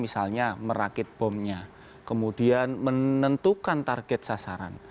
misalnya merakit bomnya kemudian menentukan target sasaran